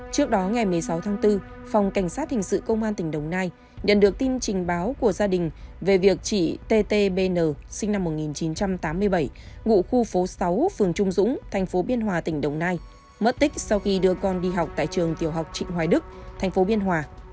trước đó ngày một mươi sáu tháng bốn phòng cảnh sát hình sự công an tỉnh đồng nai nhận được tin trình báo của gia đình về việc chị tt bn sinh năm một nghìn chín trăm tám mươi bảy ngụ khu phố sáu phường trung dũng thành phố biên hòa tỉnh đồng nai mất tích sau khi đưa con đi học tại trường tiểu học trịnh hoài đức thành phố biên hòa